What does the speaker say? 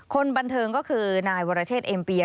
คนบันเทิงก็คือนายวรเชษเอ็มเปีย